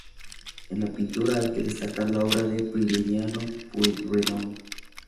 En la pintura, hay que destacar la obra de Prilidiano Pueyrredon.